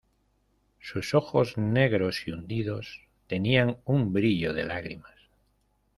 sus ojos negros y hundidos tenían un brillo de lágrimas.